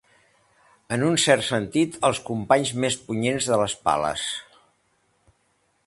En un cert sentit, els companys més punyents de les pales.